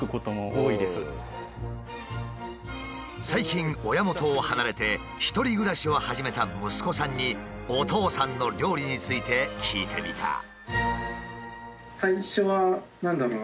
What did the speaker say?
最近親元を離れて１人暮らしを始めた息子さんにお父さんの料理について聞いてみた。